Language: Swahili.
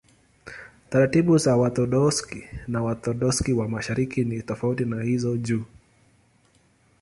Taratibu za Waorthodoksi na Waorthodoksi wa Mashariki ni tofauti na hizo juu.